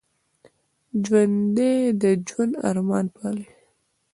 ژوندي د ژوند ارمان پالي